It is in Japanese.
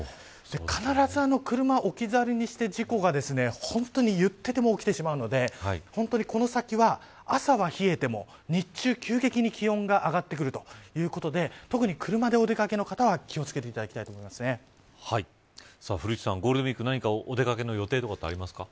必ず車置き去りにして、事故が言ってても起きてしまうので本当にこの先は、朝は冷えてても日中、急激に気温が上がってくるということで特に車でお出掛けの方は気を付けていただきたい古市さん、ゴールデンウイーク何かお出掛けの予定とかありますか。